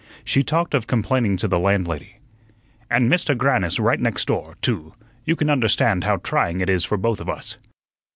She talked of complaining to the landlady. "And Mr. Grannis right next door, too. You can understand how trying it is for both of us."